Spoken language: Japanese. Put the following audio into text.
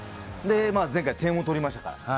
前回、点も取りましたから。